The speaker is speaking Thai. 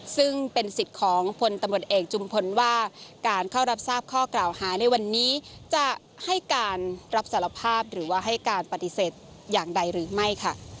ช่วยเป็นสิทธิ์ของผลละรับรับทราบข้อกล่าวฯจะให้การรับสารภาพหรือว่าให้การปฏิเสธอย่างใดหรือไม่